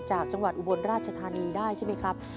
จากจังหวัดอุบลราชธานีได้ใช่ไหมครับ